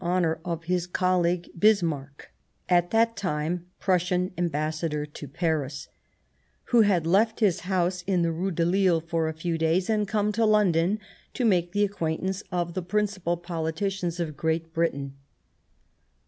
• 1 honour of his colleague Bismarck, at that time Prussian Ambassador to Paris, who had left his house in the Rue de Lille for a few days and come to London to make the acquaintance of the principal politicians of Great Britain.